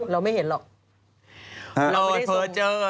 เราไม่เห็นหรอก